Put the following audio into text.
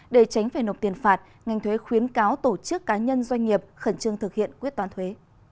để tránh phải nộp tiền phạt ngành thuế khuyến cáo tổ chức cá nhân doanh nghiệp khẩn trương thực hiện quyết toán thuế